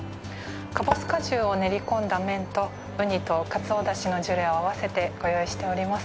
かぼす果汁を練り込んだ麺と雲丹とかつおだしのジュレを合わせてご用意しております。